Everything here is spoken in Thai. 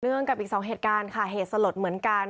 กับอีกสองเหตุการณ์ค่ะเหตุสลดเหมือนกัน